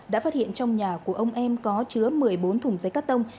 đã phát hiện trong nhà của ông em có chứa một mươi bốn thùng giấy cắt tông